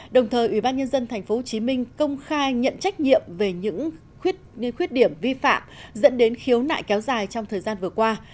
đồng thời ủy ban nhân dân tp hcm công khai nhận trách nhiệm về những khuyết điểm vi phạm dẫn đến khiếu nại kéo dài trong thời gian vừa qua